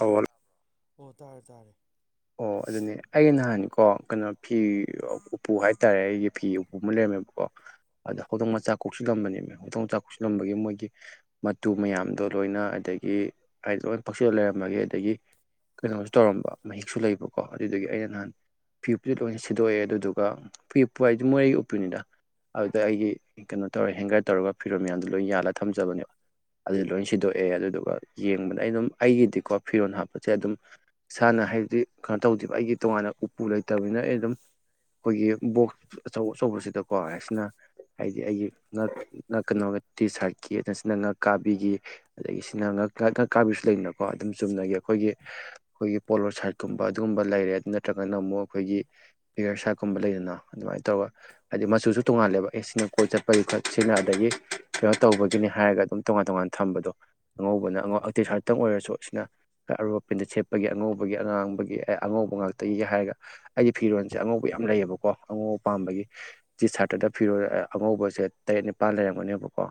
ꯑꯧ ꯑꯣ ꯇꯥꯔꯦ ꯇꯥꯔꯦ ꯑꯣ ꯑꯗꯨꯅꯦ ꯑꯩꯒꯤ ꯅꯍꯥꯟꯀꯣ ꯀꯩꯅꯣ ꯐꯤ ꯎꯄꯨ ꯍꯥꯏꯇꯥꯔꯦ ꯑꯩꯒꯤ ꯐꯤ ꯎꯄꯨ ꯑꯃ ꯂꯩꯔꯝꯃꯦꯕꯀꯣ ꯑꯗ ꯍꯧꯗꯣꯡ ꯃꯆꯥ ꯀꯣꯛꯁꯤꯜꯂꯝꯕꯅꯦꯕ ꯍꯧꯗꯣꯡ ꯃꯆꯥ ꯀꯣꯛꯁꯤꯜꯂꯝꯕꯒꯤ ꯃꯣꯏꯒꯤ ꯃꯇꯨ ꯃꯌꯥꯝꯗꯣ ꯂꯣꯏꯅ ꯑꯗꯒꯤ ꯍꯥꯏꯗꯤ ꯂꯣꯏꯅ ꯄꯛꯆꯜꯂ ꯂꯩꯔꯝꯕꯒꯤ ꯑꯗꯒꯤ ꯀꯩꯅꯣꯁꯨ ꯇꯧꯔꯝꯕ ꯃꯍꯤꯛꯁꯨ ꯂꯩꯕꯀꯣ ꯑꯗꯨꯗꯨꯒꯤ ꯑꯩꯅ ꯅꯍꯥꯟ ꯐꯤ ꯎꯄꯨꯁꯤ ꯂꯣꯏ ꯁꯤꯗꯣꯛꯑꯦ ꯑꯗꯨꯗꯨꯒ ꯐꯤ ꯎꯄꯨ ꯍꯥꯏꯗꯤ ꯃꯣꯏ ꯎꯞꯄꯨꯅꯤꯗ ꯑꯗꯨꯗ ꯑꯩꯒꯤ ꯀꯩꯅꯣ ꯇꯧꯔ ꯍꯦꯡꯒꯔ ꯇꯧꯔꯒ ꯐꯤꯔꯣꯜ ꯃꯌꯥꯝꯗꯣ ꯂꯣꯏ ꯌꯥꯜꯂꯒ ꯊꯝꯖꯕꯅꯦꯕ ꯑꯗꯨ ꯂꯣꯏ ꯁꯤꯗꯣꯛꯑꯦ ꯑꯗꯨꯗꯨꯒ ꯌꯦꯡꯕꯗ ꯑꯩ ꯑꯗꯨꯝ ꯑꯩꯒꯤꯗꯤꯀꯣ ꯐꯤꯔꯣꯜ ꯍꯥꯞꯄꯁꯦ ꯑꯗꯨꯝ ꯏꯁꯥꯅ ꯍꯥꯏꯕꯗꯤ ꯀꯩꯅꯣ ꯇꯧꯗ‌ꯦꯕ ꯑꯩꯒꯤ ꯇꯣꯉꯥꯟꯅ ꯎꯄꯨ ꯂꯩꯇꯕꯅꯤꯅ ꯑꯩ ꯑꯗꯨꯝ ꯑꯩꯈꯣꯏꯒꯤ ꯕꯣꯛꯁ ꯑꯆꯧ ꯑꯆꯧꯕꯁꯤꯗꯀꯣ ꯍꯥꯏꯅ ꯍꯥꯏꯗꯤ ꯑꯩꯒꯤ ꯉ ꯉ ꯀꯩꯅꯣꯒ ꯇꯤ ꯁꯥꯔꯠꯀꯤ ꯃꯥꯁꯤꯅ ꯉꯛꯀꯥꯕꯤꯒꯤ ꯑꯗꯒꯤ ꯁꯤꯅ ꯉꯛꯀꯥꯕꯤꯁꯨ ꯂꯩꯗꯅꯀꯣ ꯑꯗꯨꯝ ꯆꯨꯝꯅꯒꯤ ꯑꯩꯈꯣꯏꯒꯤ ꯑꯩꯈꯣꯏꯒꯤ ꯄꯣꯂꯣ ꯁꯥꯏꯠ ꯀꯨꯝꯕ ꯑꯗꯨꯒꯨꯝꯕ ꯂꯩꯔꯦ ꯑꯗꯨ ꯅꯠꯇ꯭ꯔꯒꯅ ꯑꯃꯨꯛ ꯑꯩꯈꯣꯏꯒꯤ ꯐꯤꯒꯔ ꯁꯥꯏꯠꯀꯨꯝꯕ ꯂꯩꯗꯅ ꯑꯗꯨꯃꯥꯏꯅ ꯇꯧꯔꯒ ꯍꯥꯏꯗꯤ ꯃꯆꯨꯁꯨ ꯇꯣꯉꯥꯜꯂꯦꯕ ꯑꯦ ꯁꯤꯅ ꯀꯣꯏ ꯆꯠꯄꯒꯤ ꯈ ꯁꯤꯅ ꯑꯗꯒꯤ ꯀꯩꯅꯣ ꯇꯧꯕꯒꯤꯅꯤ ꯍꯥꯏꯔꯒ ꯑꯗꯨꯝ ꯇꯣꯉꯥꯟ ꯇꯣꯉꯥꯟ ꯊꯝꯕꯗꯣ ꯑꯉꯧꯕꯅ ꯑꯉꯧ ꯇꯤꯁꯥꯔꯠꯇꯪ ꯑꯣꯏꯔꯁꯨ ꯑꯁꯤꯅ ꯈꯔ ꯑꯔꯨ ꯍ‌ꯦꯟꯗ ꯁꯦꯠꯄꯒꯤ ꯑꯉꯧꯕꯒꯤ ꯑꯉꯥꯡ ꯒꯤ ꯑꯉꯧꯕ ꯉꯥꯛꯇꯒꯤ ꯍꯥꯏꯔꯒ ꯑꯩꯒꯤ ꯐꯤꯔꯣꯟꯜꯁꯦ ꯑꯉꯧꯕ ꯌꯥꯝ ꯂꯩꯌꯦꯕꯀꯣ ꯑꯉꯧꯕ ꯄꯥꯝꯕꯒꯤ ꯇꯤꯁꯥꯠꯇꯗ ꯐꯤꯔꯣꯜ ꯑꯉꯧꯕꯁꯦ ꯇꯔꯦꯠ ꯅꯤꯄꯥꯜ ꯂꯩꯔꯝꯒꯅꯦꯕꯀꯣ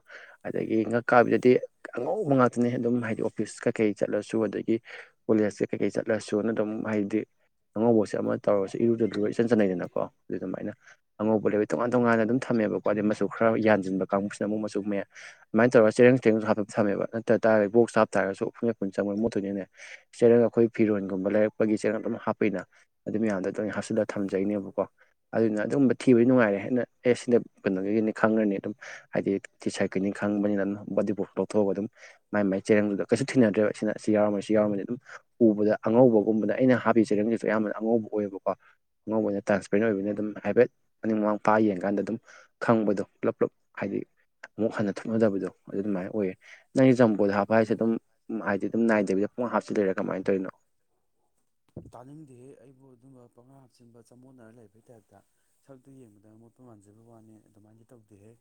ꯑꯗꯒꯤ ꯉꯛꯀꯥꯕꯤꯗꯗꯤ ꯑꯉꯧꯕ ꯉꯥꯛꯇꯅꯦ ꯑꯗꯨꯝ ꯍꯥꯏꯗꯤ ꯑꯣꯐꯤꯁ ꯀꯩꯀꯩ ꯆꯠꯂꯁꯨ ꯑꯗꯒꯤ ꯀꯣꯂꯦꯖ ꯀꯩꯀꯩ ꯆꯠꯂꯁꯨꯅ ꯑꯗꯨꯝ ꯍꯥꯏꯗꯤ ꯑꯉꯧꯕꯁꯦ ꯑꯃ ꯇꯧꯔꯁꯨ ꯏꯔꯨꯗꯗ ꯏꯆꯟ ꯆꯠꯅꯩꯗꯅꯀꯣ ꯑꯗꯨ ꯑꯗꯨꯃꯥꯏꯅ ꯑꯉꯧꯕ ꯂ‌ꯣꯏ ꯇꯣꯉꯥꯟ ꯇꯣꯉꯥꯟꯅ ꯑꯗꯨꯝ ꯊꯝꯃꯦꯕꯀ‌ꯣ ꯑꯗ ꯃꯆꯨ ꯈꯔ ꯌꯥꯟꯁꯤꯟꯕ ꯀꯥꯡꯕꯨꯁꯤꯅ ꯑꯃꯨꯛ ꯃꯆꯨꯨꯝꯃꯦ ꯑꯗꯨꯃꯥꯏꯅ ꯇꯧꯔ ꯆꯦꯔꯪ ꯆꯦꯔꯪꯁꯨ ꯍꯥꯞꯄ ꯊꯃꯦꯕ ꯅꯠꯇ ꯇꯥꯔꯗꯤ ꯕꯣꯛꯇ ꯍꯥꯞ ꯇꯥꯔꯒꯁꯨ [unintelligible] ꯆꯪꯕ ꯃꯣꯠꯇꯣꯏꯅꯦ ꯆ‌ꯦꯔꯪ ꯑꯩꯈꯣꯏ ꯐꯤꯔꯣꯟꯒꯨꯝꯕ ꯂꯩꯔꯛ ꯆꯦꯔꯪ ꯑꯗꯨꯝ ꯍꯥꯞꯄꯩꯅ ꯑꯗꯨ ꯃꯌꯥꯝꯗꯣ ꯂ‌ꯣꯏ ꯍꯥꯞꯆꯜꯂ ꯊꯝꯖꯩꯅꯦꯕꯀꯣ ꯑꯗꯨꯅ ꯑꯗꯨꯝꯕ ꯊꯤꯕꯗꯤ ꯅꯨꯡꯉꯥꯏꯔꯦ ꯍꯥꯏꯅ ꯑꯦ ꯁꯤꯗ ꯀꯩꯅꯣꯒꯤꯅꯤ ꯈꯪꯉꯅꯤ ꯑꯗꯨꯝ ꯍꯥꯏꯗꯤ ꯇꯤꯁꯥꯠꯀꯤꯅꯤ ꯈꯪꯕꯅꯤꯅ ꯑꯗꯨꯝ ꯕꯣꯗꯤꯕꯨ ꯂꯧꯊꯣꯛꯑꯒ ꯑꯗꯨꯝ ꯃꯥꯏ ꯃꯥꯏ ꯆꯦꯔꯪꯗꯨꯗ ꯀꯩꯁꯨ ꯊꯤꯅꯗ꯭ꯔꯦꯕ ꯁꯤꯅ ꯁꯤ ꯌꯥꯎꯔꯝꯃꯅꯤ ꯁꯤ ꯌꯥꯎꯔꯝꯃꯅꯤ ꯑꯗꯨꯝ ꯎꯕꯗ ꯑꯉꯧꯕ ꯒꯨꯝꯕꯗ ꯑꯩꯅ ꯍꯥꯞꯄꯤ ꯆꯦꯔꯪꯁꯤꯁꯨ ꯑꯌꯥꯝꯕꯅ ꯑꯉꯧꯕ ꯑꯣꯏꯌꯦꯕꯀꯣ ꯑꯉꯧꯕꯁ‌ꯦ ꯇ꯭ꯔꯥꯟꯁꯄꯦꯔꯦꯟ ꯑꯣꯏꯕꯅꯤꯅ ꯑꯗꯨꯝ ꯍꯥꯏꯕꯦꯠ ꯑꯅꯤꯡ ꯃꯃꯥꯡ ꯄꯥꯏꯔ ꯌꯦꯡꯀꯥꯟꯗ ꯑꯗꯨꯝ ꯈꯪꯕꯗꯣ ꯄꯨꯂꯞ ꯄꯨꯂꯞ ꯍꯥꯏꯗꯤ ꯑꯃꯨꯛ ꯍꯟꯅ ꯊꯣꯛꯅꯗꯕꯗꯣ ꯑꯗꯨ ꯑꯗꯨꯃꯥꯏꯅ ꯑꯣꯏꯌꯦ ꯅꯪꯒꯤ ꯖꯝꯕꫭꯗ ꯍꯥꯞꯄ ꯍꯥꯏꯁꯦ ꯑꯗꯨꯝ ꯍꯥꯏꯗꯤ ꯑꯗꯨꯝ ꯅꯥꯏꯗꯕꯤꯗ ꯄꯨꯡꯍꯥꯞ ꯍꯥꯞꯆꯤꯜ ꯂꯤꯔ ꯀꯃꯥꯏꯅ ꯇꯧꯔꯤꯅꯣ ꯇꯥꯅꯤꯡꯗꯦꯍꯦ ꯑꯩꯕꯨ ꯑꯗꯨꯝꯕ ꯄꯨꯡꯍꯥꯞ ꯍꯥꯞꯆꯤꯟꯕ ꯆꯃꯣꯠꯅꯔ ꯂꯩꯕꯒꯤ ꯇꯥꯏꯞꯇ ꯁꯛꯇꯨ ꯌꯦꯡꯕꯗ ꯑꯃꯣꯠꯄ ꯃꯥꯟꯖꯕꯩ ꯋꯥꯅꯤ ꯑꯗꯨꯃꯥꯏꯅꯗꯤ ꯇꯧꯗꯦꯍꯦ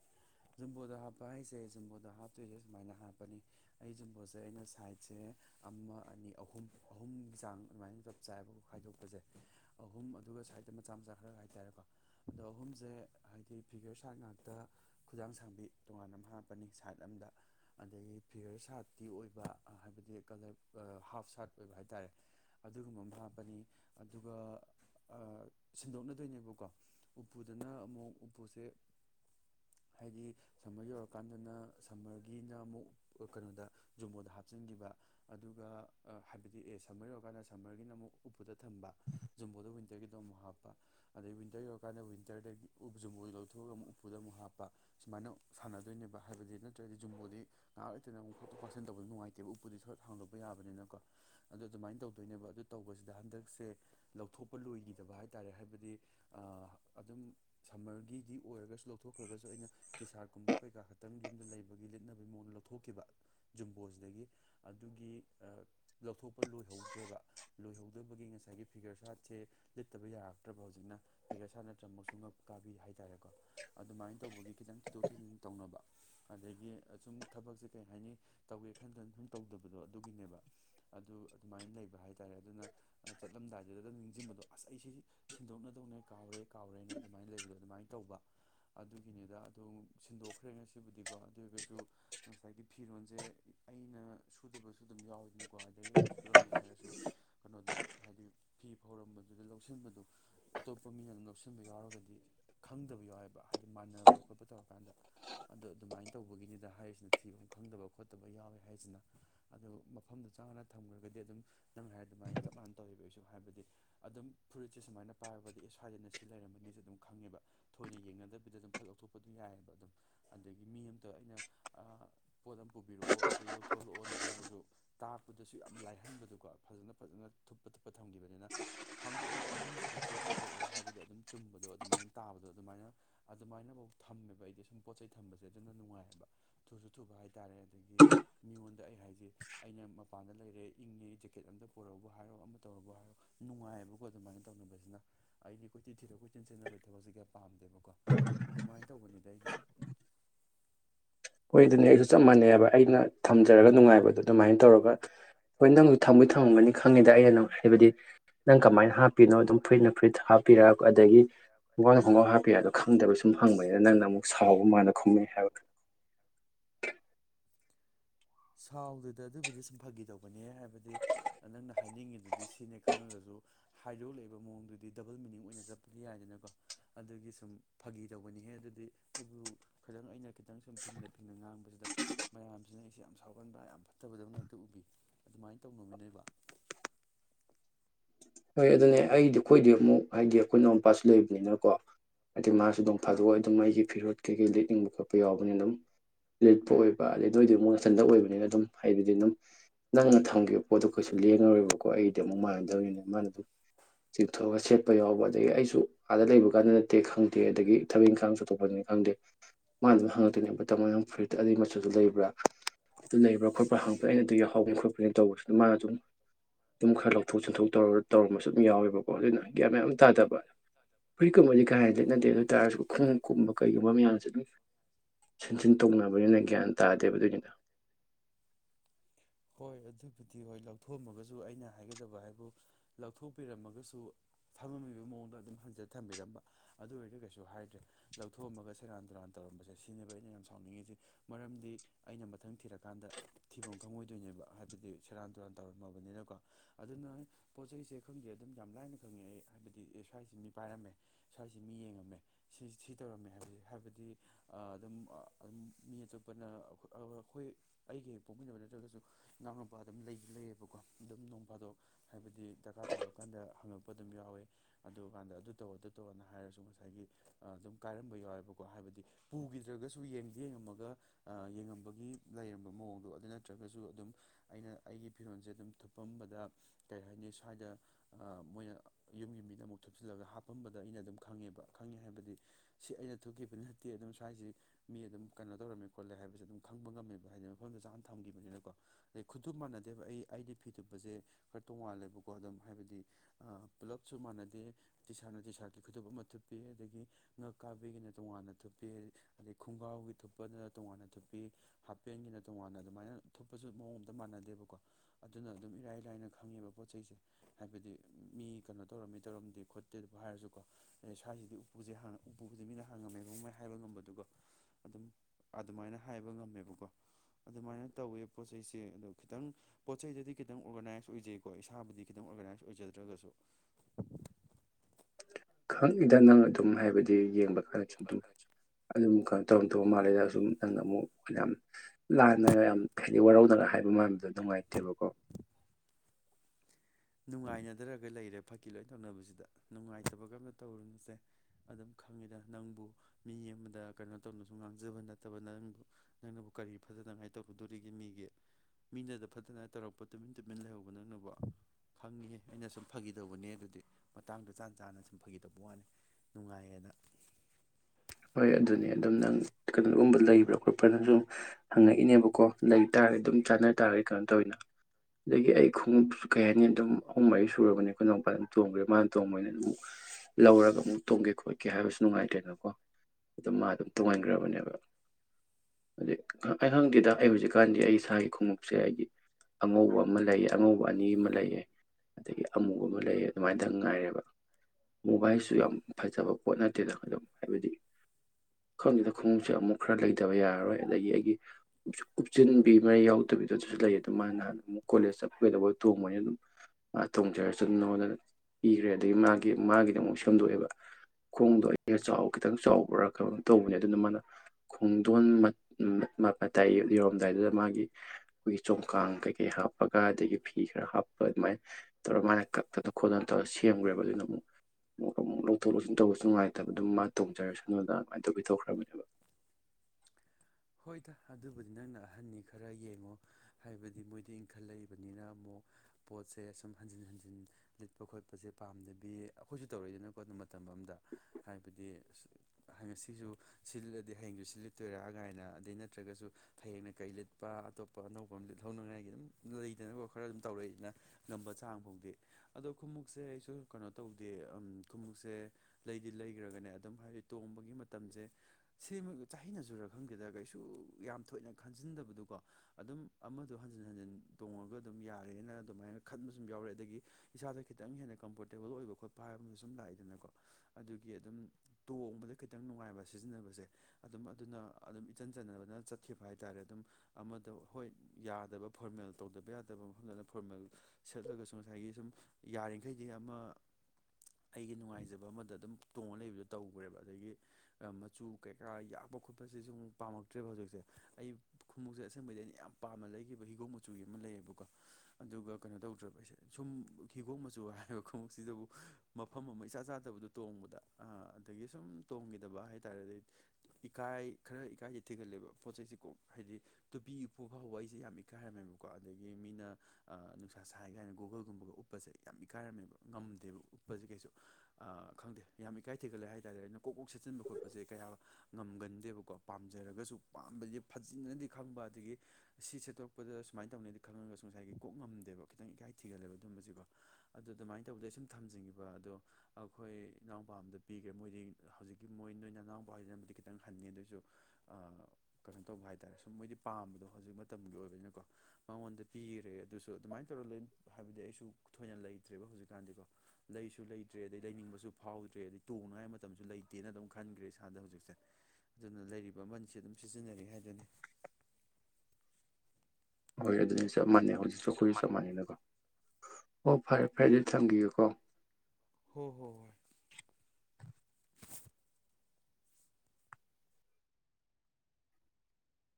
ꯖꯨꯝꯕꫭꯗ ꯍꯥꯞꯄ ꯍꯥꯏꯁꯦ ꯖꯨꯝꯕꫭꯗ ꯍꯥꯞꯇꯣꯏꯁꯦ ꯁꯨꯃꯥꯏꯅ ꯍꯥꯞꯄꯅꯤ ꯑꯩ ꯖꯨꯝꯕꯣꯁꯦ ꯑꯩꯅ ꯁꯥꯏꯠꯁꯦ ꯑꯃ ꯑꯅꯤ ꯑꯍꯨꯝ ꯑꯍꯨꯝꯒꯤ ꯆꯥꯡ ꯑꯗꯨꯃꯥꯏꯅ ꯆꯞ ꯆꯥꯏꯕ ꯈꯥꯏꯗꯣꯛꯄꯁꯦ ꯑꯍꯨꯝ ꯑꯗꯨꯒ ꯁꯥꯏꯗꯠꯇ ꯃꯆꯥ ꯃꯆꯥ ꯈꯔ ꯍꯥꯏꯇꯥꯔꯦꯀꯣ ꯑꯗꯣ ꯑꯍꯨꯝꯁꯦ ꯍꯥꯏꯗꯤ ꯐꯤꯒꯔ ꯁꯥꯔꯠ ꯉꯥꯛꯇ ꯈꯨꯗꯥꯡ ꯁꯥꯡꯕꯤ ꯇꯣꯉꯥꯟꯅ ꯑꯃ ꯍꯥꯞꯄꯅꯤ ꯁꯥꯏꯠ ꯑꯝꯗ ꯑꯗꯒꯤ ꯐꯤꯌꯔ ꯁꯥꯔꯠꯇꯤ ꯑꯣꯏꯕ ꯍꯥꯏꯕꯗꯤ ꯀꯂꯔ ꯍꯥꯐ ꯁꯥꯔꯠ ꯑꯣꯏꯕ ꯍꯥꯏꯇꯥꯔꯦ ꯑꯗꯨꯒꯨꯝꯕ ꯑꯃ ꯍꯥꯞꯄꯅꯤ ꯑꯗꯨꯒ ꯑ ꯁꯤꯟꯗꯣꯛꯅꯗꯣꯏꯅꯦꯕꯀꯣ ꯎꯄꯨꯗꯅ ꯑꯃꯨꯛ ꯎꯄꯨꯁꯦ ꯍꯥꯏꯗꯤ ꯁꯝꯃꯔ ꯌꯧꯔꯀꯥꯟꯗꯅ ꯁꯝꯃꯔꯒꯤꯅ ꯑꯃꯨꯛ ꯀꯩꯅꯣꯗ ꯖꯨꯝꯕ‌ꯣꯗ ꯍꯥꯞꯆꯤꯟꯈꯤꯕ ꯑꯗꯨꯒ ꯍꯥꯏꯕꯗꯤ ꯑꯦ ꯁꯝꯃꯔ ꯌꯧꯔꯀꯥꯟꯗ ꯁꯝꯃꯔꯒꯤꯅ ꯑꯃꯨꯛ ꯎꯄꯨꯗ ꯊꯝꯕ ꯖꯨꯝꯕꯣꯗ ꯋꯤꯟꯇꯔꯒꯤꯗꯣ ꯑꯃꯨꯛ ꯍꯥꯞꯄ ꯑꯗꯩ ꯋꯤꯟꯇꯔ ꯌꯧꯔꯀꯥꯟꯗ ꯋꯤꯟꯇꯔꯗꯒꯤ ꯎꯖꯨꯝꯕꯣꯏ ꯂꯧꯊꯣꯛꯑꯒ ꯑꯃꯨꯛ ꯎꯄꯨꯗ ꯑꯃꯨꯛ ꯍꯥꯞꯄ ꯁꯨꯃꯥꯏꯅ ꯁꯥꯟꯅꯗꯣꯏꯅꯦꯕ ꯍꯥꯏꯕꯗꯤ ꯅꯠꯇ꯭ꯔꯗꯤ ꯖꯨꯝꯕꫭꯗꯤ ꯉꯥꯏꯍꯥꯛ ꯂꯩꯇꯅꯨꯛ ꯐꯣꯇꯣꯛ ꯄꯥꯔꯁꯟ ꯇꯧꯕꯁꯨ ꯅꯨꯡꯉꯥꯏꯇꯦꯕ ꯎꯄꯨꯗꯤ ꯁꯣꯔꯠ ꯍꯥꯡꯗꯣꯛ ꯌꯥꯕꯅꯤꯅꯀꯣ ꯑꯗꯣ ꯑꯗꯨꯥꯏꯅ ꯇꯧ ꯇꯧꯗꫭꯏꯅꯦꯕ ꯑꯗꯨ ꯇꯧꯕꯁꯤꯗ ꯍꯟꯗꯛꯁꯦ ꯂꯧꯊꯣꯛꯄ ꯂꯣꯏꯈꯤꯗꯕ ꯍꯥꯏꯇꯥꯔꯦ ꯍꯥꯏꯕꯗꯤ ꯑꯗꯨꯝ ꯁꯝꯃꯔꯒꯤꯗꯤ ꯑꯣꯏꯔꯒꯁꯨ ꯂꯧꯊꯣꯛꯈ꯭ꯔꯒꯁꯨ ꯑꯩꯅ ꯇꯤꯁꯥꯔꯠꯀꯨꯝꯕ ꯀꯩꯀꯥ ꯈꯛꯇꯪ ꯌꯨꯝꯗ ꯂꯩꯕꯒꯤ ꯂꯤꯠꯅꯕꯒꯤ ꯃꯑꯣꯡꯗ ꯂꯧꯊꯣꯛꯈꯤꯕ ꯖꯨꯝꯕꯣꯁꯗꯒꯤ ꯑꯗꯨꯒꯤ ꯂꯧꯊꯣꯛꯄ ꯂꯣꯏꯍꯧꯒ ꯠꯇ꯭ꯔꯦꯕ ꯂꯣꯏꯍꯧꯗꯕꯒꯤ ꯉꯁꯥꯏꯒꯤ ꯐꯤꯒꯔ ꯁꯥꯔꯠꯁꯦ ꯂꯤꯞꯠꯇꯕ ꯌꯥꯔꯛꯇ꯭ꯔꯕ ꯍꯧꯖꯤꯛꯅ ꯄꯦꯔꯁꯥ ꯅꯠꯇ꯭ꯔ ꯃꯁꯨ ꯉꯞ ꯀꯥꯕꯤ ꯍꯥꯏꯇꯥꯥꯔꯦꯀꯣ ꯑꯗꯨꯃꯥꯏꯅ ꯇꯧꯕꯒꯤ ꯈꯤꯇꯪ ꯊꯤꯗꯣꯛ ꯊꯤꯖꯤꯟ ꯇꯧꯅꯕ ꯑꯗꯒꯤ ꯁꯨꯝ ꯊꯕꯛꯁꯦ ꯀꯩ ꯍꯥꯏꯅꯤ ꯇꯧꯒꯦ ꯈꯟꯗ ꯁꯨꯝ ꯇꯧꯗꯕꯗꯣ ꯑꯗꯨꯒꯤꯅꯦꯕ ꯑꯗꯨ ꯑꯗꯨꯃꯥꯏꯅ ꯂꯩꯕ ꯍꯥꯏꯇꯥꯔꯦ ꯑꯗꯨꯅ ꯆꯠꯂꯝꯗꯥꯏꯗꯨꯗꯒ ꯅꯤꯡꯁꯤꯡꯕꯗꯣ ꯑꯁ ꯑꯩ ꯁꯤ ꯁꯤꯟꯗꯣꯛꯅꯗꯣꯛꯅꯦ ꯀꯥꯎꯔꯦ ꯀꯥꯎꯔꯦꯅ ꯑꯗꯨꯃꯥꯏꯅ ꯂꯩꯕꯗꯣ ꯑꯗꯨꯃꯥꯏꯅ ꯇꯧꯕ ꯑꯗꯨꯒꯤꯅꯤꯗ ꯑꯗꯨꯝ ꯁꯤꯟꯗꯣꯛꯈ꯭ꯔꯦ ꯉꯁꯤꯕꯨꯗꯤꯀꯣ ꯑꯗꯨ ꯑꯣꯏꯔꯒꯁꯨ ꯉꯁꯥꯏꯒꯤ ꯐꯤꯔꯣꯜꯁꯦ ꯑꯩꯅ ꯁꯨꯗꯕꯁꯨ ꯑꯗꯨꯝ ꯌꯥꯎꯋꯗꯅꯀꯣ ꯑꯗꯨꯗꯒꯤ ꯑꯩꯅ ꯁꯨꯔꯝꯃꯦ ꯍꯥꯏꯔꯁꯨ ꯁꯨ ꯀꯩꯅꯣꯗ ꯍꯥꯏꯗꯤ ꯐꯤ ꯐꯧꯔꯝꯕꯗꯨꯗ ꯂꯧꯁꯤꯟꯕꯗꯨꯣ ꯑꯇꯣꯞꯄ ꯃꯤꯅ ꯑꯗꯨꯝ ꯂꯧꯁꯤꯟꯕ ꯌꯥꯎꯔꯒꯗꯤ ꯈꯪꯗꯕ ꯌꯥꯎꯋꯦꯕ ꯍꯥꯏꯗꯤ ꯃꯥꯟꯅꯕ ꯈꯣꯠꯄ ꯇꯧꯔꯀꯥꯟꯗ ꯑꯗꯣ ꯑꯗꯨꯃꯥꯏꯅ ꯇꯧꯕꯒꯤꯅꯤꯗ ꯍꯥꯏꯔꯤꯁꯤꯅ ꯊꯤꯕ ꯈꯪꯗꯕ ꯈꯣꯠꯇꯕ ꯌꯥꯎꯋꯦ ꯍꯥꯏꯔꯤꯁꯤꯅ ꯑꯗꯨ ꯃꯐꯝꯗ ꯆꯥ ꯃꯥꯟꯅ ꯊꯝꯈ꯭ꯔꯒꯗꯤ ꯑꯗꯨꯝ ꯅꯪ ꯍꯥꯏꯔ ꯑꯗꯨꯃꯥꯏꯅ ꯆꯞ ꯃꯥꯟꯅ ꯇꯧꯑꯦꯕ ꯑꯩꯁꯨ ꯍꯥꯏꯕꯗꯤ ꯑꯗꯨꯝ ꯐꯨꯔꯤꯠꯁꯦ ꯁꯨꯃꯥꯏꯅ ꯄꯥꯔꯕꯗꯤ ꯑꯦ ꯁ꯭ꯋꯥꯏꯗꯅ ꯁꯤ ꯂꯩꯔꯝꯝꯕꯅꯤꯁꯦ ꯑꯗꯨꯝ ꯈꯪꯉꯦꯕ ꯊꯣꯏꯅ ꯌꯦꯡꯅꯗꯕꯤꯗ ꯑꯗꯨꯝ ꯐꯥꯠ ꯂꯧꯊꯣꯛꯄ ꯑꯗꯨꯝ ꯌꯥꯏꯑꯕ ꯑꯗꯨꯝ ꯑꯗꯒꯤ ꯃꯤ ꯑꯝꯇ ꯑꯩꯅ ꯄꯣꯠ ꯑꯃ ꯄꯨꯕꯤꯔꯛꯑꯣ ꯑꯗꯥꯏꯒꯤ ꯂꯧꯊꯂꯛꯑꯣꯅ ꯍꯥꯏꯔꯁꯨ ꯇꯥꯛꯄꯗꯁꯨ ꯌꯥꯝ ꯂꯥꯏꯍꯟꯕꯗꯨꯀꯣ ꯐꯖꯅ ꯐꯖꯅ ꯊꯨꯞꯄ ꯊꯨꯞꯄ ꯊꯝꯈꯤꯕꯅꯤꯅ ꯍꯥꯡꯗꯣꯛꯑꯣ ꯑꯍꯨꯝꯁꯨꯕ ꯐꯨꯔꯤꯠ ꯇꯨ ꯄꯣꯔꯛꯑꯣ ꯍꯥꯏꯕꯗ ꯑꯗꯨꯝ ꯆꯨꯝꯕꯗꯣ ꯑꯗꯨꯃꯥꯏꯅ ꯇꯥꯕꯗꯣ ꯑꯗꯨꯃꯥꯏꯅ ꯑꯗꯨꯃꯥꯏꯅꯐꯧ ꯊꯝꯃꯦꯕ ꯑꯩꯗꯤ ꯁꯨꯝ ꯄꯣꯠ ꯆꯩ ꯊꯝꯕꯁꯦ ꯑꯗꯨꯅ ꯅꯨꯡꯉꯥꯏꯑꯕ ꯊꯨꯁꯨ ꯊꯨꯕ ꯍꯥꯏ ꯇꯥꯔꯦ ꯑꯗꯒꯤ ꯃꯤꯉꯣꯟꯗ ꯑꯩ ꯍꯥꯏꯁꯦ ꯑꯩꯅ ꯃꯄꯥꯟꯗ ꯂꯩꯔꯦ ꯏꯪꯉꯦ ꯖꯦ ꯀꯦꯠ ꯑꯝꯇ ꯄꯨꯣꯔꯛ ꯑꫭꯕꯨ ꯍꯥꯏꯔꯣ ꯑꯃ ꯇꯧꯔꫭꯕꯨ ꯍꯥꯏꯔꯣ ꯅꯨꯡꯉꯥꯏꯑꯕꯀꯣ ꯑꯗꯨꯃꯥꯏꯅ ꯇꯧꯅꯕꯁꯤꯅ ꯑꯩꯗꯤ ꯀꯨꯊꯤ ꯊꯤꯔ ꯀꫭꯏꯆꯦꯟ ꯆꯦꯟꯅꯕꯒꯤ ꯊꯕꯛꯁꯦ ꯀꯌꯥ ꯄꯥꯝꯗꯦꯕꯀꯣ ꯑꯗꯨꯃꯥꯏꯅ ꯇꯧꯕꯅꯤꯗ ꯑꯩꯒꯤꯁꯨ ꯍꯣꯏ ꯑꯗꯨꯅꯦ ꯑꯩꯁꯨ ꯆꯞ ꯃꯥꯟꯅꯩꯕ ꯑꯩꯅ ꯊꯝꯖꯔꯒ ꯅꯨꯡꯉꯥꯏꯕꯗꯣ ꯑꯗꯨꯃꯥꯏꯅ ꯇꯧꯔꯒ ꯍꯣꯏ ꯅꯪꯁꯨ ꯊꯝꯕꯨꯗꯤ ꯊꯝꯂꯝꯒꯅꯤ ꯈꯪꯉꯦꯗ ꯑꯩꯅ ꯅꯪꯁꯦ ꯍꯥꯏꯕꯗꯤ ꯅꯪ ꯀꯃꯥꯏꯅ ꯍꯥꯞꯄꯤꯅꯣ ꯑꯗꯨꯝ ꯐꯨꯔꯤꯠꯅ ꯐꯨꯔꯤꯠ ꯍꯥꯞꯄꯤꯔ ꯑꯗꯒꯤ ꯈꯣꯡꯒꯥꯎꯅ ꯈꯣꯡꯒꯥꯎ ꯍꯥꯞꯄꯤ ꯑꯗꯣ ꯈꯪꯗꯕ ꯁꯨꯝ ꯍꯪꯕꯅꯤꯗ ꯅꯪꯅ ꯑꯃꯨꯛ ꯁꯥꯎꯕ ꯃꯥꯥꯟꯅ ꯈꯨꯝꯃꯦ ꯍꯥꯏꯕ ꯁꯥꯎꯗꯦꯗ ꯑꯗꯨꯕꯨꯗꯤ ꯁꯨꯝ ꯐꯥꯒꯤ ꯇꯧꯕꯅꯦ ꯍꯥꯏꯕꯗꯤ ꯅꯪꯅ ꯍꯥꯏꯅꯤꯡꯉꯤꯗꯨꯗꯤ ꯁꯤꯅꯦ ꯈꯪꯉꯒꯁꯨ ꯍꯥꯏꯗꯣꯛꯂꯤꯏꯕ ꯃꯑꯣꯡꯗꯨꯗꯤ ꯗꯕꯜ ꯃꯤꯅꯤꯡ ꯑꯣꯏꯅ ꯆꯠꯄꯗꯤ ꯌꯥꯏꯗꯅꯀꯣ ꯑꯗꯨꯒꯤ ꯁꯨꯝ ꯐꯥꯒꯤ ꯇꯧꯕꯅꯤꯍꯦ ꯑꯗꯨꯗꯤ ꯑꯩꯕꯨ ꯐꯖꯅ ꯑꯩꯅ ꯈꯤꯇꯪ ꯁꯨꯝ ꯐꯤꯡꯅ ꯐꯤꯡꯅ ꯉꯥꯡꯕꯁꯤꯗ ꯃꯌꯥꯝꯁꯤꯅ ꯑꯩꯁꯦ ꯌꯥꯝ ꯁꯥꯎꯒꯟꯕ ꯌꯥꯝ ꯐꯠꯇꯕꯗꯧꯅ ꯍꯦꯛꯇ ꯎꯕꯤ ꯑꯗꯨꯃꯥꯏꯅ ꯇꯧꯅꯨꯃꯦ ꯅꯣꯏꯕꯨ ꯍꯣꯏ ꯑꯗꯨꯅꯦ ꯑꯩꯗꯤ ꯑꯩꯈꯣꯏꯗꯤ ꯑꯃꯨꯛ ꯍꯥꯏꯗꯤ ꯑꯩꯈꯣꯏ ꯏꯅꯥꯎꯅꯄꯥꯁꯨ ꯂꯩꯕꯅꯤꯅꯀꯣ ꯑꯗꯩ ꯃꯥꯁꯨ ꯅꫭꯡꯐꯥꯗꫭꯛ ꯑꯗꯨꯝ ꯑꯩꯒꯤ ꯐꯤꯔꯣꯠ ꯀꯩꯀꯩ ꯂꯤꯠꯅꯤꯡꯕ ꯈꯣꯠꯄ ꯌꯥꯎꯕꯅꯤ ꯑꯗꯨꯝ ꯂꯤꯠꯄ ꯑꯣꯏꯕ ꯑꯗꯩ ꯅꫭꯏꯗꯤ ꯑꯃꯨꯛ ꯅꯊꯟꯗꯛ ꯑꯣꯏꯕꯅꯤꯅ ꯑꯗꯨꯝ ꯍꯥꯏꯕꯗꯤ ꯑꯗꯨꯝ ꯅꯪꯅ ꯊꯝꯈꯤꯕ ꯄꯣꯠꯇꯣ ꯀꯩꯁꯨ ꯂꯦꯡꯉꯔꫭꯏꯕꯀꯣ ꯑꯩꯗꯤ ꯑꯃꯨꯛ ꯃꯥꯟꯅꯗꯧꯔꯤꯅꯦ ꯃꯥꯅ ꯑꯗꯨ ꯆꯤꯡꯊꯣꯛꯑꯒ ꯁꯦꯠꯄ ꯌꯥꯎꯕ ꯑꯗꯒꯤ ꯑꯩꯁꯨ ꯑꯥꯗ ꯂꯩꯕ ꯀꯥꯟꯗ ꯅꯠꯇꯦ ꯈꯪꯗꯦ ꯑꯗꯒꯤ ꯊꯕꯛ ꯏꯪꯈꯥꯡ ꯆꯠꯊꯣꯛꯄꯅꯤ ꯈꯪꯗꯦ ꯃꯥ ꯑꯗꯨꯝ ꯍꯪꯉꯛꯇꯣꯏꯅꯦ ꯇꯃꫭ ꯅꯪ ꯐꯨꯔꯤꯠꯇꫭ ꯑꯗꯨꯏ ꯃꯆꯨꯗꫭ ꯂꯩꯕ꯭ꯔꯥ ꯑꯗꯨ ꯂꯩꯕ꯭ꯔ ꯈꯠ꯭ꯔ ꯍꯪꯉꯥꯛꯄ ꯑꯩꯅꯗꯤ ꯌꯥꯍꯥꯎꯕꯅꯤ ꯈꯣꯠꯄꯅꯤꯅ ꯇꯧꯕꯁꯤꯅ ꯃꯥꯅ ꯑꯗꯨꯝ ꯑꯗꯨꯝ ꯈꯔ ꯂꯧꯊꯣꯛ ꯆꯤꯡꯊꯣꯛ ꯇꯧꯔ ꯇꯧꯔꯝꯕꯁꯨꯝ ꯌꯥꯎꯋꯦꯕꯀꯣ ꯑꯗꯨꯅ ꯒ꯭ꯌꯥꯟ ꯃꯦꯟ ꯑꯝꯇ ꯇꯥꯗꯕ ꯐꯨꯔꯤꯠ ꯀꯨꯕꯗꯤ ꯀꯥ ꯍꯦꯟꯅꯥ ꯂꯤꯠꯅꯗꯦ ꯑꯗꯨ ꯇꯥꯔꯁꯨ ꯈꯣꯡꯞ ꯀꯨꯝꯕ ꯀꯩꯒꯨꯝꯕ ꯃꯌꯥꯝꯁꯦ ꯑꯗꯨꯝ ꯁꯤꯟꯁꯤꯟ ꯇꯧꯅꯕꯅꯤꯅ ꯒ꯭ꯌꯥꯟ ꯇꯥꯗꯦꯕ ꯑꯗꯨꯏꯅꯤꯗ ꯍꯣꯏ ꯑꯗꯨꯕꯨꯗꯤ ꯍꯣꯏ ꯂꯧꯊꯣꯛꯑꯝꯃꯒꯁꯨ ꯑꯩꯅ ꯍꯥꯏꯒꯗꯕ ꯍꯥꯏꯕꯨ ꯂꯧꯊꯣꯛꯄꯤꯔꯝꯃꯒꯁꯨ ꯊꯝꯃꯝꯃꯤꯕ ꯃꯑꯣꯡꯗ ꯑꯗꯨꯝ ꯍꯟꯖꯤꯜꯂꯥ ꯊꯝꯕꯤꯔꯝꯕ ꯑꯗꯨ ꯑꯣꯏꯔꯗꯤ ꯀꯩꯁꯨ ꯍꯥꯏꯗ꯭ꯔꯦ ꯂꯧꯊꯣꯛꯑꯝꯃꯒ ꯁꯦꯔꯥꯟ ꯇꯨꯔꯥꯟ ꯇꯧꯔꯝꯕꯁꯦ ꯁꯤꯅꯦꯕ ꯑꯩꯅ ꯌꯥꯝ ꯁꯥꯎꯅꯤꯡꯉꯤꯁꯤ ꯃꯔꯝꯗꯤ ꯑꯩꯅ ꯃꯊꯪ ꯊꯤꯔꯀꯥꯟꯗ ꯊꯤꯐꯝ ꯈꯪꯉꯣꯏ ꯑꯗꯨꯣꯏꯅꯦꯕ ꯍꯥꯏꯕꯗꯤ ꯁꯦꯔꯥꯟ ꯇꯨꯔꯥꯟ ꯇꯧꯔꯝꯃꯕꯅꯤꯅꯀꯣ꯫ ꯑꯗꯨꯅ ꯄꯣꯠ ꯆꯩꯁꯦ ꯈꯪꯗꯦ ꯑꯗꯨꯝ ꯌꯥꯝ ꯂꯥꯏꯅ ꯈꯪꯉꯦ ꯑꯩ ꯍꯥꯏꯕꯗꯤ ꯑꯦꯁ꯭ꯋꯥꯏꯁꯤ ꯃꯤ ꯄꯥꯏꯔꯝꯃꯦ꯫ ꯁ꯭ꯋꯥꯏꯁꯤ ꯃꯤ ꯌꯦꯡꯉꯝꯃꯦ ꯁꯤ ꯇꯧꯔꯝꯃꯦ ꯍꯥꯏꯕꯁꯦ ꯍꯥꯏꯕꯗꯤ ꯑꯗꯨꯝ ꯑꯗꯨꯝ ꯃꯤ ꯑꯇꯣꯞꯄꯅ ꯑꯩꯈꯣꯏ ꯑꯩꯒ ꯄꯣꯛꯃꯤꯟꯅꯕ ꯅꯠꯇ꯭ꯔꯒꯁꯨ ꯏꯅꯥꯎꯅꯨꯄꯥ ꯑꯗꯨꯝ ꯂꯩꯗꯤ ꯂꯩꯌꯦꯕꯀꯣ ꯑꯗꯨꯝ ꯅꯣꯡꯄꯥꯗꯣꯛ ꯍꯥꯏꯕꯗꯤ ꯗꯔꯀꯥꯔ ꯇꯥꯕ ꯀꯥꯟꯗ ꯍꯪꯉꯛꯄ ꯑꯗꯨꯝ ꯌꯥꯎꯋꯦ꯫ ꯑꯗꯨꯀꯥꯟꯗ ꯑꯗꯨ ꯇꯧꯔꯣ ꯑꯗꯨ ꯇꯧꯔꯣꯅ ꯍꯥꯏꯔꯁꯨ ꯉꯁꯥꯏꯒꯤ ꯑꯗꯨꯝ ꯀꯥꯏꯔꯝꯕ ꯌꯥꯎꯋꯦꯕꯀꯣ ꯍꯥꯏꯕꯗꯤ ꯄꯨꯈꯤꯗ꯭ꯔꯒꯁꯨ ꯌꯦꯡꯗꯤ ꯌꯦꯡꯉꯝꯃꯒ ꯑ ꯌꯦꯡꯉꯝꯕꯒꯤ ꯂꯩꯔꯝꯕ ꯃꯑꯣꯡꯗꯣ ꯑꯗꯨ ꯅꯠꯇ꯭ꯔꯒꯁꯨ ꯑꯗꯨꯝ ꯑꯩꯅ ꯑꯩꯒꯤ ꯐꯤꯔꯣꯟꯁꯦ ꯑꯗꯨꯝ ꯊꯨꯞꯄꯝꯕꯗ ꯀꯔꯤ ꯍꯥꯏꯅꯤ ꯁ꯭ꯋꯥꯏꯗ ꯑ ꯃꯣꯏꯅ ꯌꯨꯝꯒꯤ ꯃꯤꯗ ꯑꯃꯨꯛ ꯊꯨꯞꯆꯜꯂꯒ ꯍꯥꯞꯄꯝꯕꯗ ꯑꯩꯅ ꯑꯗꯨꯝ ꯈꯪꯉꯦꯕ ꯈꯪꯉꯦ ꯍꯥꯏꯕꯗꯤ ꯁꯤ ꯑꯩꯅ ꯊꯨꯞꯈꯤꯕ ꯅꯠꯇꯦ ꯑꯗꯨꯝ ꯁ꯭ꯋꯥꯏꯁꯦ ꯃꯤ ꯑꯗꯨꯝ ꯀꯩꯅꯣ ꯇꯧꯔꯝꯃꯦ ꯈꯣꯠꯂꯦ ꯍꯥꯏꯕꯁꯦ ꯑꯗꯨꯝ ꯈꯪꯕ ꯉꯝꯃꯦꯕ ꯍꯥꯏꯗꯤ ꯃꯐꯝꯗꯨ ꯆꯥꯅ ꯊꯝꯈꯤꯕꯅꯤꯅꯀꯣ꯫ ꯑꯗꯩ ꯈꯨꯊꯨꯞ ꯃꯥꯟꯅꯗꯦꯕ ꯑꯩ ꯑꯩꯗꯤ ꯐꯤ ꯊꯨꯞꯄꯁꯦ ꯈꯔ ꯇꯣꯉꯥꯜꯂꯦꯕꯀꯣ ꯑꯗꯨꯝ ꯍꯥꯏꯕꯗꯤ ꯄꯨꯜꯂꯞꯁꯨ ꯃꯥꯟꯅꯗꯦ ꯇꯤ-ꯁꯔꯠꯅ ꯇꯤ ꯁꯔꯠꯀꯤ ꯈꯨꯊꯨꯞ ꯑꯃ ꯊꯨꯞꯄꯤ ꯑꯗꯒꯤ ꯉꯛ ꯀꯥꯕꯤꯒꯤꯅ ꯇꯣꯉꯥꯟꯅ ꯊꯨꯞꯄꯤ ꯑꯗꯩ ꯈꯣꯡꯒ꯭ꯔꯥꯎꯒꯤ ꯊꯨꯞꯄꯅ ꯇꯣꯉꯥꯟꯅ ꯊꯨꯞꯄꯤ꯫ ꯍꯥꯞꯄꯦꯟꯒꯤꯅ ꯇꯣꯉꯥꯟꯅ ꯑꯗꯨꯃꯥꯏꯅ ꯊꯨꯞꯄꯁꯨ ꯃꯑꯣꯡ ꯑꯃꯇ ꯃꯥꯟꯅꯗꯦꯕꯀꯣ꯫ ꯑꯗꯨꯅ ꯑꯗꯨꯝ ꯏꯔꯥꯏ ꯂꯥꯏꯅ ꯈꯪꯉꯦꯕ ꯄꯣꯠ ꯆꯩꯁꯦ꯫ ꯍꯥꯏꯕꯗꯤ ꯃꯤ ꯀꯩꯅꯣ ꯇꯧꯔꯝꯃꯤ ꯇꯧꯔꯝꯗꯦ ꯈꯣꯠꯇꯦ ꯑꯗꯨꯕꯨ ꯍꯥꯏꯔꯁꯨꯀꯣ ꯁ꯭ꯏꯁꯤꯗꯤ ꯎꯄꯨꯁꯦ ꯎꯄꯨꯁ ꯃꯤꯅ ꯍꯥꯡꯉꯝꯃꯦꯒꯨꯝꯃꯦ ꯍꯥꯏꯕ ꯉꯝꯕꯗꯨꯒꯣ꯫ ꯑꯗꯨꯝ ꯑꯗꯨꯃꯥꯏꯅ ꯍꯥꯏꯕ ꯉꯝꯃꯦꯕꯀꯣ ꯑꯗꯨꯃꯥꯏꯅ ꯇꯧꯋꯦ꯫ ꯄꯣꯠꯆꯩꯁꯦ ꯑꯗꯣ ꯈꯤꯇꯪ ꯄꯣꯠ ꯆꯩꯗꯗꯤ ꯈꯤꯇꯪ ꯑꯣꯔꯒꯅꯥꯏꯁ ꯑꯣꯏꯖꯩꯀꯣ ꯏꯁꯥꯕꯨꯗꯤ ꯈꯤꯇꯪ ꯑꯣꯔꯒꯅꯥꯏꯁ ꯑꯣꯏꯖꯗ꯭ꯔꯒꯁꯨ꯫ ꯈꯪꯉꯤꯗ ꯅꯪ ꯑꯗꯨꯝ ꯍꯥꯏꯕꯗꯤ ꯌꯦꯡꯕ ꯀꯥꯟꯗꯁꯨ ꯑꯗꯨꯝ ꯑꯗꯨꯝ ꯀꯩꯅꯣ ꯇꯧꯔꯝꯗꯨ ꯃꯥꯜꯂꯦꯗ ꯁꯨꯝ ꯅꯪꯅ ꯑꯃꯨꯛ ꯐꯅꯌꯥꯝ ꯂꯥꯟꯅꯒ ꯌꯥꯝ ꯋꯥꯔꯧꯅꯒ ꯍꯥꯏꯕ ꯃꯥꯟꯕꯗꯣ ꯅꯨꯡꯉꯥꯏꯇꯦꯕꯀꯣ꯫ ꯅꯨꯡꯉꯥꯏꯅꯗꯔꯒ ꯂꯩꯔꯦ ꯐꯥꯒꯤ ꯂꯣꯏ ꯇꯧꯅꯕꯁꯤꯗ ꯅꯨꯡꯉꯥꯏꯇꯕꯒ ꯑꯃꯇ ꯇꯧꯔꯨꯅꯨꯁꯦ꯫ ꯑꯗꯨꯝ ꯈꯪꯉꯤꯗ ꯅꯪꯕꯨ ꯃꯤ ꯑꯃꯗ ꯀꯩꯅꯣ ꯇꯧꯅꯁꯨ ꯉꯥꯡꯖꯕ ꯅꯠꯇꯕ ꯅꯪꯕꯨ꯫ ꯅꯪꯅꯕꯨ ꯀꯔꯤ ꯐꯖꯗꯉꯥꯏ ꯇꯧꯔꯨꯗꯣꯔꯤꯒꯦ ꯃꯤꯒꯤ ꯃꯤꯅꯗ ꯐꯠꯇꯅ ꯇꯧꯔꯛꯄ ꯇꯨꯃꯤꯟ ꯇꯨꯃꯤꯟ ꯂꯩꯍꯧꯕ ꯅꯪꯅꯕꯣ ꯈꯪꯉꯤꯍꯦ ꯑꯩꯅ ꯁꯨꯝ ꯐꯥꯒꯤꯇꯧꯕꯅꯦ ꯑꯗꯨꯗꯤ ꯃꯇꯥꯡꯗꯣ ꯆꯥꯅ ꯆꯥꯅ ꯁꯨꯝ ꯐꯥꯒꯤꯇꯧꯕ ꯋꯥꯅꯤ꯫ ꯅꯨꯡꯉꯥꯏꯌꯦꯅ ꯍꯣꯏ ꯑꯗꯨꯅꯤ ꯑꯗꯨꯝ ꯅꯪ ꯀꯩꯅꯣꯒꯨꯝꯕ ꯂꯩꯕ꯭ꯔꯥ ꯈꯣꯠꯄ꯭ꯔꯥꯅ ꯁꯨꯝ ꯍꯪꯉꯛꯏꯅꯦꯕꯀꯣ ꯂꯩ ꯇꯥꯔ ꯑꯗꯨꯝ ꯆꯥꯟꯅ ꯇꯥꯔ ꯀꯩꯅꯣ ꯇꯧꯋꯦꯗꯅ ꯑꯗꯒꯤ ꯑꯩ ꯈꯣꯡꯎꯞꯁ ꯀꯩ ꯍꯥꯏꯅꯤ ꯑꯗꯨꯝ ꯑꯍꯨꯝ ꯃꯔꯤ ꯁꯨꯔꯕꯅꯤ ꯑꯩꯈꯣꯏ ꯏꯅꯥꯎꯄꯥꯅ ꯑꯗꯨꯝ ꯇꯣꯡꯈ꯭ꯔꯦ ꯃꯥꯅ ꯇꯣꯡꯕꯅꯤꯅ ꯑꯗꯨꯝ ꯂꯧꯔꯒ ꯑꯃꯨꯛ ꯇꯣꯡꯒꯦ ꯈꯣꯠꯀꯦ ꯍꯥꯏꯕꯁꯨ ꯅꯨꯡꯉꯥꯏꯇꯦꯅꯀꯣ ꯑꯗꯨꯝ ꯃꯥꯗꯣ ꯇꯣꯡꯉꯟꯈ꯭ꯔꯕꯅꯦꯕ꯫ ꯍꯧꯖꯤꯛ ꯑꯩ ꯈꯪꯗꯦꯗ ꯑꯩ ꯍꯧꯖꯤꯛꯀꯥꯟꯗꯤ ꯑꯩ ꯏꯁꯥꯒꯤ ꯈꯣꯡꯎꯞꯁꯦ ꯑꯩꯒꯤ ꯑꯉꯧꯕ ꯑꯃ ꯂꯩꯌꯦ ꯑꯉꯧꯕ ꯑꯅꯤꯃꯥ ꯂꯩꯌꯦ꯫ ꯑꯗꯒꯤ ꯑꯃꯨꯕ ꯑꯃ ꯂꯩ ꯑꯗꯨꯃꯥꯏꯅꯗ ꯉꯥꯏꯔꯦꯕ꯫ ꯃꯨꯕ ꯍꯥꯏꯁꯨ ꯌꯥꯝ ꯐꯖꯕ ꯄꯣꯠ ꯅꯠꯇꯦꯗ ꯑꯗꯨꯝ ꯍꯥꯏꯕꯗꯤ ꯈꯪꯗꯦꯗ ꯈꯣꯡꯎꯞꯁꯦ ꯑꯃꯨꯛ ꯈꯔ ꯂꯩꯇꯕ ꯌꯥꯔꯔꯣꯏ ꯑꯗꯒꯤ ꯑꯩꯒꯤ ꯎꯞꯁꯤꯟꯕꯤ ꯃꯔꯤ ꯌꯥꯎꯗꯕꯤꯗꯣ ꯑꯗꯨꯁꯨ ꯂꯩ ꯑꯗꯨ ꯃꯥꯅ ꯅꯍꯥꯟ ꯑꯃꯨꯛ ꯀꯣꯂꯦꯖ ꯆꯠꯄꯩ [unintelligible] ꯇꯣꯡꯕꯅꯤꯅꯦ ꯑꯗꯨꯝ ꯃꯥ ꯇꯣꯡꯖꯔꯁꯅꯣꯅ ꯄꯤꯈ꯭ꯔꯦ ꯑꯗꯒꯤ ꯃꯥꯒꯤ ꯃꯥꯒꯤꯗ ꯑꯃꯨꯛ ꯁꯦꯝꯗꯣꯛꯑꯦꯕ ꯈꯣꯡꯗꯣ ꯑꯩꯅ ꯆꯥꯎ ꯈꯤꯇꯪ ꯆꯥꯎꯕ꯭ꯔꯥ ꯀꯩꯅꯣꯝ ꯇꯧꯕꯅꯦ ꯑꯗꯨꯅ ꯃꯥꯅ ꯈꯣꯡꯗꯣꯟ ꯃꯄꯇꯥꯏ ꯌꯧꯔꯝꯗꯥꯏꯗꯨꯗ ꯃꯥꯒꯤ ꯑꯩꯈꯣꯏꯒꯤ ꯆꯣꯡꯀꯥꯡ ꯀꯩꯀꯩ ꯍꯥꯞꯄꯒ ꯑꯗꯒꯤ ꯐꯤ ꯈꯔ ꯍꯥꯞꯄ ꯑꯗꯨꯃꯥꯏꯅ ꯇꯧꯔ ꯃꯥꯅ ꯀꯛꯇꯅ ꯈꯣꯠꯇꯅ ꯇꯧꯔ ꯁꯦꯝꯈ꯭ꯔꯦꯕ ꯑꯗꯨꯅ ꯑꯃꯨꯛ ꯑꯃꯨꯛ ꯑꯃꯨꯛ ꯂꯧꯊꯣꯛ ꯂꯧꯁꯤꯟ ꯇꯧꯕꯁꯨ ꯅꯨꯡꯉꯥꯏꯇꯕꯗꯣ ꯃꯥ ꯇꯣꯡꯖꯔꯁꯅꯨꯗ ꯑꯗꯨꯃꯥꯏ ꯇꯧꯔ ꯄꯤꯊꯣꯛꯈ꯭ꯔꯕꯅꯦꯕ ꯍꯣꯏꯗ ꯑꯗꯨꯕꯨꯗꯤ ꯅꯪꯅ ꯑꯍꯥꯟꯅꯤ ꯈꯔ ꯌꯦꯡꯉꯣ꯫ ꯍꯥꯏꯕꯗꯤ ꯃꯣꯏꯗꯤ ꯏꯟꯈꯠꯂꯛꯏꯕꯅꯤꯅ ꯑꯃꯨꯛ ꯄꯣꯠꯁꯦ ꯁꯨꯝ ꯍꯟꯖꯤꯟ ꯍꯟꯖꯤꯟ ꯂꯤꯠꯄ ꯈꯣꯠꯄꯁꯦ ꯄꯥꯝꯗꯕꯤ ꯑꯩꯈꯣꯏꯁꯨ ꯇꯧꯔꯛꯏꯗꯅꯀꯣ ꯑꯗꯨ ꯃꯇꯝ ꯑꯃꯗ ꯍꯥꯏꯕꯗꯤ ꯉꯁꯤꯁꯨ ꯁꯤ ꯂꯤꯠꯂꯗꯤ ꯍꯌꯦꯡꯁꯨ ꯁꯤ ꯂꯤꯠ ꯇꯣꯏꯔꯥ ꯍꯥꯏꯅ ꯑꯗꯩ ꯅꯠꯇ꯭ꯔꯒꯁꯨ ꯍꯌꯦꯡꯅ ꯀꯩ ꯂꯤꯠꯄ ꯑꯇꯣꯞꯄ ꯑꯅꯧꯕ ꯑꯃ ꯂꯤꯠꯍꯧꯅꯉꯥꯏꯒꯤ ꯑꯗꯨꯝ ꯂꯩꯗꯅ ꯈꯔ ꯑꯗꯨꯝ ꯇꯧꯔꯛꯏꯗꯅ ꯉꯝꯕ ꯆꯥꯡ ꯐꯥꯎꯗꯤ ꯑꯗꯣ ꯈꯤ ꯑꯩꯁꯨ ꯀꯩꯅꯣ ꯇꯧꯗꯦ ꯈꯨꯃꯨꯛꯁꯦ꯫ ꯂꯩꯗꯤ ꯂꯩꯈ꯭ꯔꯒꯅꯦ ꯑꯗꯨꯝ ꯍꯥꯏꯗꯤ ꯇꯣꯡꯝꯕꯒꯤ ꯃꯇꯝꯁꯦ ꯁꯤꯃ ꯆꯍꯤꯅ ꯁꯨꯔꯒ꯫ ꯈꯪꯗꯦꯗ ꯀꯩꯁꯨ ꯌꯥꯝ ꯊꯣꯏꯅ ꯈꯟꯖꯤꯟꯗꯕꯗꯨꯀꯣ꯫ ꯑꯗꯨꯝ ꯑꯃꯗꯣ ꯍꯟꯖꯤꯟ ꯍꯟꯖꯤꯟ ꯇꯣꯡꯉꯒ ꯑꯗꯨꯝ ꯌꯥꯔꯦꯅ ꯑꯗꯨꯃꯥꯏꯅ ꯈꯟꯕ ꯁꯨꯝ ꯌꯥꯎꯔꯦ ꯑꯗꯒꯤ꯫ ꯏꯁꯥꯗ ꯈꯤꯇꯪ ꯍꯦꯟꯅ ꯀꯝꯐꯣꯔꯇꯦꯕꯜ ꯑꯣꯏꯕ ꯈꯣꯠꯄ ꯍꯥꯏꯕ ꯑꯃ ꯁꯨꯝ ꯂꯥꯛꯏꯗꯅꯀꯣ꯫ ꯑꯗꯨꯒꯤ ꯑꯗꯨꯝ ꯇꯣꯡꯕꯗ ꯈꯤꯇꯪ ꯅꯨꯡꯉꯥꯏꯕ ꯁꯤꯖꯤꯟꯅꯕꯁꯦ ꯑꯗꯨꯝ ꯑꯗꯨꯅ꯫ ꯑꯗꯨꯝ ꯏꯆꯟ ꯆꯟꯅꯕꯅ ꯆꯠꯈꯤꯕ ꯍꯥꯏꯇꯥꯔꯦ ꯑꯗꯨꯝ꯫ ꯑꯃꯗꯣ ꯍꯣꯏ ꯌꯥꯗꯕ ꯐꯣꯔꯃꯦꯜ ꯇꯧꯗꯕ ꯌꯥꯗꯕ ꯃꯐꯝꯗꯅ ꯐꯣꯔꯃꯦꯜ꯫ ꯁꯦꯠꯂꯒꯁꯨ ꯉꯁꯥꯏꯒꯤ ꯁꯨꯝ ꯌꯥꯔꯤꯈꯩꯗꯤ ꯑꯃ꯫ ꯑꯩꯒꯤ ꯅꯨꯡꯉꯥꯏꯖꯕ ꯑꯃꯗ ꯑꯗꯨꯝ ꯇꯣꯡꯉ ꯂꯩꯕꯗꯣ ꯇꯧꯈ꯭ꯔꯦꯕ ꯑꯗꯒꯤ꯫ ꯃꯆꯨ ꯀꯩꯀꯥ ꯌꯥꯛꯄ ꯈꯣꯠꯄꯁꯤꯁꯨ ꯑꯃꯨꯛ ꯄꯥꯝꯃꯛꯇ꯭ꯔꯦꯕ ꯍꯧꯖꯤꯛꯁꯦ ꯑꯩ ꯈꯨꯃꯨꯛꯁꯦ ꯑꯁꯦꯡꯕꯩꯗꯤ ꯑꯩꯅ ꯌꯥꯝ ꯄꯥꯝꯅ ꯂꯩꯈꯤꯕ ꯍꯤꯒꯧꯝ ꯃꯆꯨꯒꯤ ꯑꯃ ꯂꯩꯌꯦꯕꯀꯣ꯫ ꯑꯗꯨꯒ ꯀꯩꯅꯣ ꯇꯧꯗ꯭ꯔꯕꯁꯦ ꯁꯨꯝ ꯍꯤꯒꯣꯛ ꯃꯆꯨ ꯍꯥꯏꯕ ꯈꯨꯃꯨꯛꯁꯤꯗꯕꯨ꯫ ꯃꯐꯝ ꯑꯃ ꯏꯆꯥ ꯆꯥꯗꯕꯗꯨ ꯇꯣꯡꯕꯗ ꯑꯗꯒꯤ ꯁꯨꯝ ꯇꯣꯡꯈꯤꯗꯕ ꯍꯥꯏꯇꯥꯔꯦ ꯑꯗꯩꯩ [inaudible] ꯏꯀꯥꯏ ꯈꯔ ꯏꯀꯥꯏꯁꯦ ꯊꯤꯒꯜꯂꯦꯕ ꯄꯣꯠꯆꯩꯁꯦ ꯀꯣꯛ ꯍꯥꯏꯗꯤ꯫ ꯇꯨꯄꯤ ꯎꯄ ꯐꯥꯎꯕ ꯑꯩꯁꯦ ꯌꯥꯝ ꯏꯀꯥꯏꯔꯝꯃꯦꯕꯀꯣ ꯑꯗꯒꯤ ꯃꯤꯅ꯫ ꯑ ꯅꯨꯡꯁꯥ ꯁꯥꯏ ꯀꯥꯏꯅ ꯒꯣꯒꯜꯒꯨꯝꯕꯒ ꯎꯞꯄꯁꯦ ꯌꯥꯝꯅ ꯏꯀꯥꯏꯔꯝꯃꯦꯕ ꯉꯝꯗꯦꯕ ꯎꯞꯄꯁꯦ ꯀꯩꯁꯨ꯫ ꯑ ꯈꯪꯗꯦ ꯌꯥꯝ ꯏꯀꯥꯏ ꯊꯤꯒꯠꯂꯦ ꯍꯥꯏ ꯇꯥꯔꯦ ꯑꯩꯅ ꯀꯣꯛꯀꯣꯛ ꯁꯠꯆꯤꯟꯕ ꯈꯣꯠꯄꯁꯦ ꯀꯌꯥ꯫ ꯉꯝꯒꯟꯗꯦꯕꯀꯣ ꯄꯥꯝꯖꯔꯒꯁꯨ ꯄꯥꯝꯕꯁꯦ ꯐꯖꯅꯗꯤ ꯈꯪꯕ ꯑꯗꯒꯤ꯫ ꯁꯤ ꯁꯦꯠꯇꯣꯔꯛꯄꯗ ꯁꯨꯃꯥꯏꯅ ꯇꯧꯅꯤꯗꯤ ꯈꯪꯉꯒꯁꯨ ꯉꯁꯥꯏꯒꯤ ꯀꯣꯛ ꯉꯝꯗꯦꯕ ꯈꯤꯇꯪ ꯏꯀꯥꯏ ꯊꯤꯒꯜꯂꯦꯕ ꯑꯗꯨꯝꯕꯁꯤꯀꯣ꯫ ꯑꯗꯨ ꯑꯗꯨꯃꯥꯏꯅ ꯇꯧꯕꯗꯩꯩ ꯁꯨꯝ ꯊꯝꯖꯤꯟꯒꯤꯕ ꯑꯗꯣ꯫ ꯑꯩꯈꯣꯏ ꯏꯅꯥꯎꯄꯥ ꯑꯃꯗ ꯄꯤꯈ꯭ꯔꯦ ꯃꯣꯏꯗꯤ ꯍꯧꯖꯤꯛꯀꯤ ꯃꯣꯏ ꯅꯣꯏꯅ ꯏꯅꯥꯎꯄꯥ ꯍꯣꯏꯅꯕꯨꯗꯤ ꯈꯤ ꯈꯤꯇꯪ ꯍꯟꯅꯤ ꯑꯗꯣꯏꯁꯨ ꯑꯥ ꯀꯩꯅꯣ ꯇꯧꯕ ꯍꯥꯏꯇꯥꯔꯦ ꯁꯨꯝ ꯃꯣꯏꯗꯤ ꯄꯥꯝꯕꯗꯣ ꯍꯧꯖꯤꯛ ꯃꯇꯝꯒꯤ ꯑꯣꯏꯕꯅꯤꯅꯀꯣ꯫ ꯃꯉꯣꯟꯗ ꯄꯤꯈ꯭ꯔꯦ ꯑꯗꯨꯁꯨ ꯑꯗꯨꯃꯥꯏꯅ ꯇꯧꯔꯒ ꯂꯣꯏ ꯍꯥꯏꯕꯗꯤ ꯑꯩꯁꯨ ꯊꯣꯏꯅ ꯂꯩꯇ꯭ꯔꯦꯕ ꯍꯧꯖꯤꯛꯀꯥꯟꯗꯤꯀꯣ꯫ ꯂꯩꯁꯨ ꯂꯩꯗꯔꯦ ꯑꯗꯩ ꯂꯩꯅꯤꯡꯕꯁꯨ ꯐꯥꯎꯗ꯭ꯔꯦ ꯑꯗꯩ ꯇꯣꯡꯅꯉꯥꯏ ꯃꯇꯝꯁꯨ ꯂꯩꯇꯦꯅ ꯑꯗꯨꯝ ꯈꯟꯈ꯭ꯔꯦ ꯏꯁꯥꯗ ꯍꯧꯖꯤꯛꯁꯦ꯫ ꯑꯗꯨꯅ ꯂꯩꯔꯤꯕ ꯑꯃꯅꯤꯁꯦ ꯑꯗꯨꯝ ꯁꯤꯖꯤꯟꯅꯔꯤ ꯍꯥꯏꯗꯨꯅꯤ꯫ ꯍꯣꯏ ꯑꯗꯨꯗꯤ ꯆꯞ ꯃꯥꯟꯅꯩ ꯍꯧꯖꯤꯛꯁꯨ ꯑꯩꯈꯣꯏꯁꯨ ꯆꯞ ꯃꯥꯟꯅꯩꯅꯀꯣ ꯑꯣ ꯐꯔꯦ ꯐꯔꯦ ꯑꯗꯨꯗꯤ ꯊꯝꯈꯤꯒꯦꯀꯣ꯫ ꯍꯣ ꯍꯣ ꯍꯣꯏ꯫